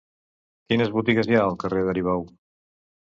Quines botigues hi ha al carrer d'Aribau?